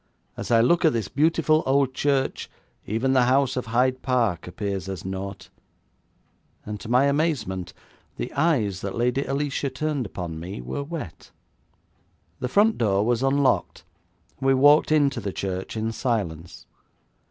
As I look at this beautiful old church, even the house of Hyde Park appears as naught,' and to my amazement, the eyes that Lady Alicia turned upon me were wet. The front door was unlocked, and we walked into the church in silence.